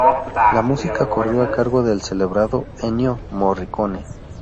La música corrió a cargo del celebrado Ennio Morricone.